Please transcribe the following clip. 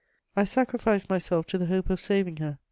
I sacrificed myself to the hope of saving her.